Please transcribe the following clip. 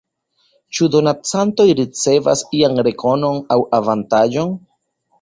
Ĉu donacantoj ricevas ian rekonon aŭ avantaĝon?